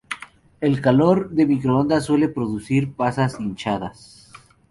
El calor de microondas suele producir pasas hinchadas.